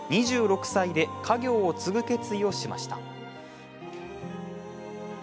２６歳で家業を継ぐ決意をしました。